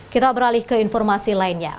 kita beralih ke informasi lainnya